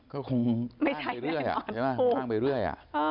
ก็คงตั้งไปเรื่อย